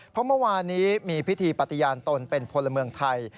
เพราะเมื่อวานนี้มีพิธีปฏิญาณตนเป็นพลเมืองไทย